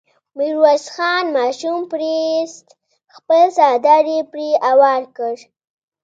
ميرويس خان ماشوم پرې ايست، خپل څادر يې پرې هوار کړ.